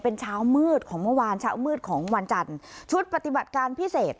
เป็นเช้ามืดของเมื่อวานเช้ามืดของวันจันทร์ชุดปฏิบัติการพิเศษ